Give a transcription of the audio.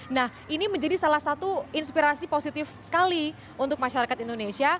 nah ini menjadi salah satu inspirasi positif sekali untuk masyarakat indonesia